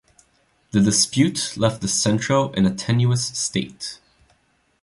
The dispute left the Centro in a tenuous state.